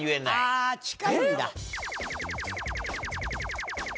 あぁ近いんだ。